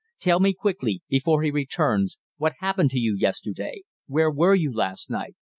Tell me quickly, before he returns: what happened to you yesterday? Where were you last night?"